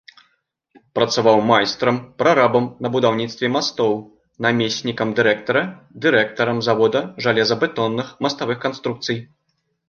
Працаваў майстрам, прарабам на будаўніцтве мастоў, намеснікам дырэктара, дырэктарам завода жалезабетонных маставых канструкцый.